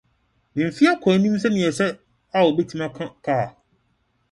Ne mfe akɔ anim sɛnea ɛsɛ a obetumi aka kar.